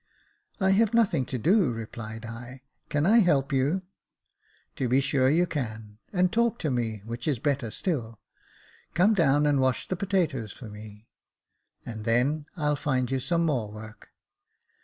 " I have nothing to do," replied I ," can I help you ?"" To be sure you can, and talk to me, which is better still. Come down and wash the potatoes for me, and then I'll find you some more work.